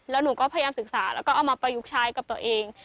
แล้วหนูก็พยายามศึกษาแล้วก็เอามาประยุกต์ใช้กับตัวเอง